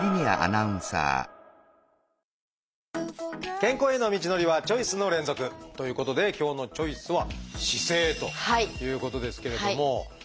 健康への道のりはチョイスの連続！ということで今日の「チョイス」は何かどうですか？